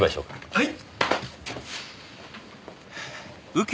はい！